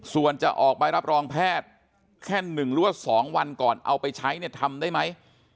ส่วนจะออกใบรับรองแพทย์แค่๑หรือว่า๒วันก่อนเอาไปใช้เนี่ยทำได้ไหม